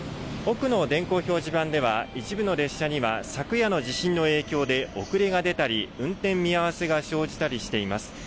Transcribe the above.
奥の電光表示板では、一部の列車には、昨夜の地震の影響で遅れが出たり、運転見合わせが生じたりしています。